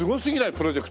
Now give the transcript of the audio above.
プロジェクト。